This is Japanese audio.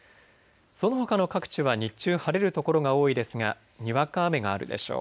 そのほかの各地は日中、晴れる所が多いですがにわか雨があるでしょう。